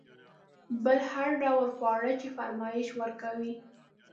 بل هر ډول خواړه چې فرمایش ورکوئ.